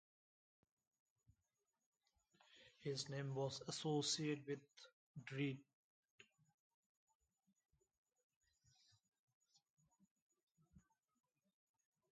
His name was associated with dread.